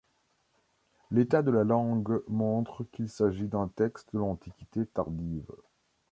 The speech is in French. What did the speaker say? L'état de la langue montre qu'il s'agit d'un texte de l'Antiquité tardive.